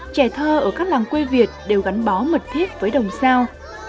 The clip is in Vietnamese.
trẻ thơ ở các làng quê việt đều gắn bó mật thiết với đồng sao